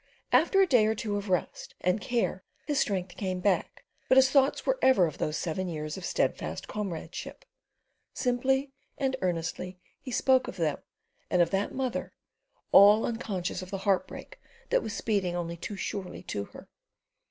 After a day or two of rest and care his strength came back, but his thoughts were ever of those seven years of steadfast comradeship. Simply and earnestly he spoke of them and of that mother, all unconscious of the heartbreak that was speeding only too surely to her.